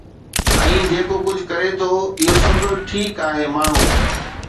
۽ جيڪو ڪجهه ڪري ٿو اهو سڀ ٺيڪ آهي، ماڻهو